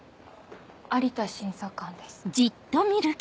有田審査官です。